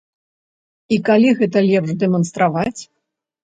І калі гэта лепш дэманстраваць?